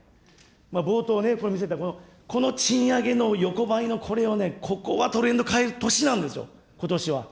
冒頭ね、見せた、この賃上げの横ばいのこれをね、ここはトレンド変える年なんですよ、ことしは。